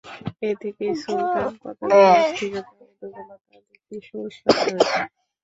এ থেকেই সুলতান পদবীটির অস্থিরতা ও দুর্বলতার দিকটি সুস্পষ্ট হয়ে ওঠে।